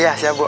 iya siap bu